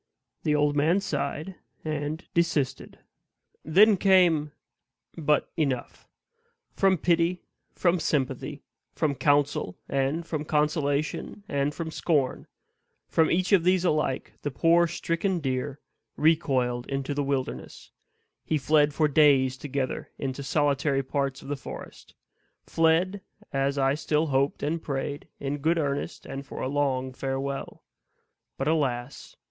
The old man sighed, and desisted. Then came But enough! From pity, from sympathy, from counsel, and from consolation, and from scorn from each of these alike the poor stricken deer "recoiled into the wilderness;" he fled for days together into solitary parts of the forest; fled, as I still hoped and prayed, in good earnest and for a long farewell; but, alas!